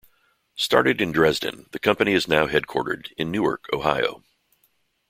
Started in Dresden, the company is now headquartered in Newark, Ohio.